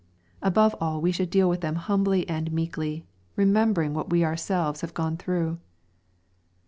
Aboi^e all, we should deal with them hurably and meekly, remembering what we ourselves have gone through.